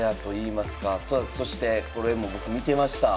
そしてこれも僕見てました。